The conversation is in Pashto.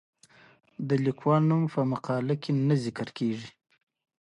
د لیکوال نوم په مقاله کې نه ذکر کیږي.